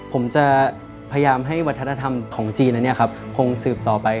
ผมจะพยายามให้วัฒนธรรมของจีนนั้นคงสืบต่อไป